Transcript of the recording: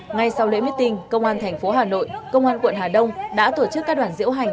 ngay sau lễ meeting công an thành phố hà nội công an quận hà đông đã tổ chức các đoàn diễu hành